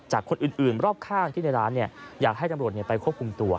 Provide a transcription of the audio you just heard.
จากคนอื่นรอบข้างที่อยากให้จำหลวงไปควบคุมตัว